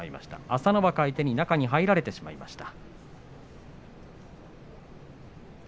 朝乃若相手に中に入られてしまいました。